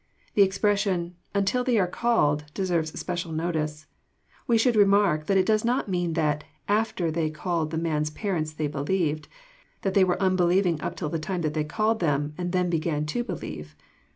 The expression, " until they called," deserves special notice. We should remark that It does not mean that " after they called the man's parents they believed,— that they were unbelieving up to the time that they called them, and then began to believe."